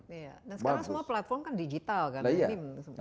sekarang semua platform kan digital